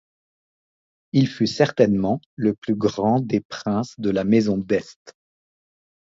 Il fut certainement le plus grand des princes de la Maison d'Este.